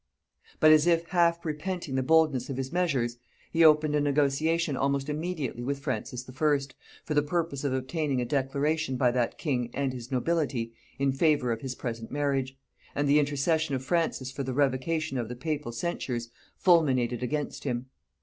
But, as if half repenting the boldness of his measures, he opened a negotiation almost immediately with Francis I., for the purpose of obtaining a declaration by that king and his nobility in favor of his present marriage, and the intercession of Francis for the revocation of the papal censures fulminated against him.